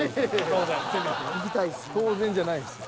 当然じゃないです。